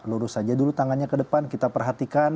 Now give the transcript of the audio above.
lurus saja dulu tangannya ke depan kita perhatikan